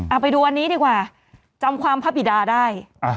เอาไปดูอันนี้ดีกว่าจำความพระบิดาได้